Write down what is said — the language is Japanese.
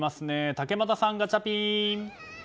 竹俣さん、ガチャピン！